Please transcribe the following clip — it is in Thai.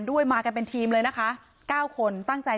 เพราะไม่มีเงินไปกินหรูอยู่สบายแบบสร้างภาพ